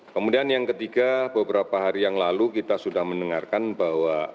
kemudian yang ketiga beberapa hari yang lalu kita sudah mendengarkan bahwa